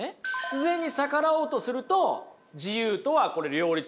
必然に逆らおうとすると自由とはこれ両立しない。